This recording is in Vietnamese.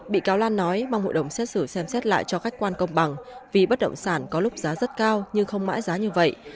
bị cáo lan nói mong hội đồng xét xử xem xét lại cho khách quan công bằng vì bất động sản có lúc giá rất cao nhưng không mãi giá như vậy